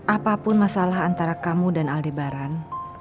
apapun masalah antara kamu dan aldebaran